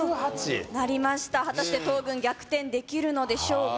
果たして東軍逆転できるのでしょうか？